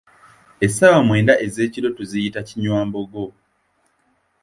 Essaawa mwenda ez'ekiro tuziyita, "Kinywambogo"